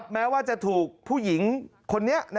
แม้ว่าจะถูกผู้หญิงคนนี้